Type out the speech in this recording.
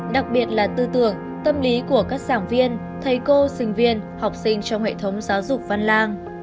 đặc biệt là tư tưởng tâm lý của các giảng viên thầy cô sinh viên học sinh trong hệ thống giáo dục văn lang